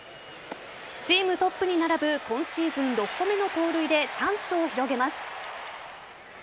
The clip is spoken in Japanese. チームトップに並ぶ今シーズン６個目の盗塁でチャンスを広げます。